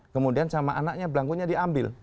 kemudian sama anaknya belangkunya diambil